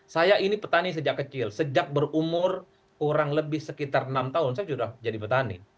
saya ini petani sejak kecil sejak berumur kurang lebih sekitar enam tahun saya sudah jadi petani